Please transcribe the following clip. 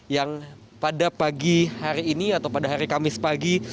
yang pada pagi hari ini atau pada hari kamis pagi